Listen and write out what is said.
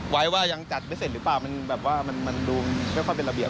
ไว้ว่ายังจัดไม่เสร็จหรือเปล่ามันแบบว่ามันดูไม่ค่อยเป็นระเบียบ